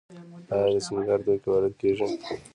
آیا د سینګار توکي وارد کیږي؟